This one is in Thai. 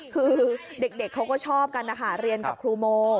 คือเด็กเขาก็ชอบกันนะคะเรียนกับครูโม